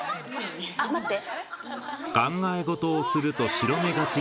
あっ待って。